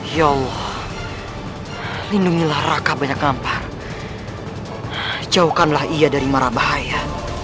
ya allah lindungilah raka banyak ngampar jauhkanlah ia dari mara bahaya